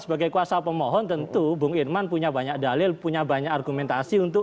sebagai kuasa pemohon tentu bung irman punya banyak dalil punya banyak argumentasi untuk